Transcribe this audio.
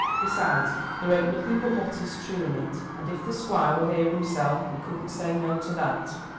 Besides, there ain't nothing but what is true in it, and if the Squire were here himself, he couldn't say no to that."